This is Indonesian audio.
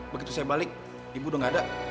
begitu saya balik ibu udah gak ada